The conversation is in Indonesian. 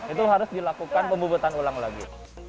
itu harus dilakukan pembubotan ulang lagi